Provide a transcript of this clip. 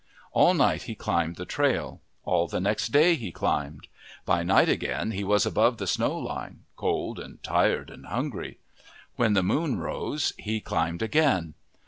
All night he climbed the trail. All the next day he climbed. By night again he was above the snow line, cold and tired and hungry. When the moon arose, he climbed again.